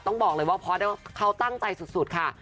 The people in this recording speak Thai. ต้องบอกเลยว่าพอได้ว่าเขาตั้งใจสุดค่ะ